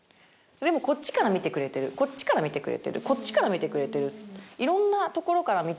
でもこっちから見てくれてるこっちから見てくれてるこっちから見てくれてる。